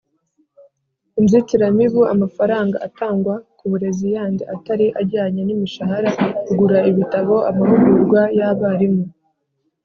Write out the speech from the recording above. inzitiramubu, amafaranga atangwa ku burezi yandi atari ajyanye n'imishahara (kugura ibitabo, amahugurwa y'abarimu),